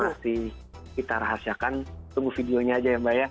masih kita rahasiakan tunggu videonya aja ya mbak ya